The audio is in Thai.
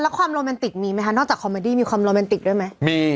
แล้วความโรแมนติกมีไหมคะนอกจากคอมเมดี้มีความโรแมนติกด้วยไหมมี